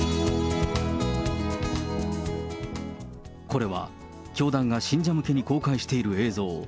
これは、教団が信者向けに公開している映像。